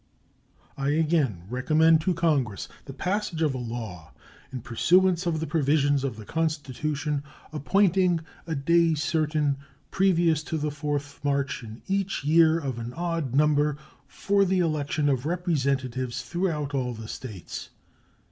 I again recommend to Congress the passage of a law, in pursuance of the provisions of the Constitution, appointing a day certain previous to the 4th March in each year of an odd number for the election of Representatives throughout all the States.